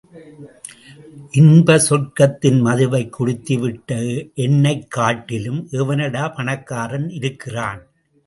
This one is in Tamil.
இன்ப சொர்க்கத்தின் மதுவை குடித்துவிட்ட என்னைக் காட்டிலும் எவனடா பணக்காரன் இருக்கிறான்?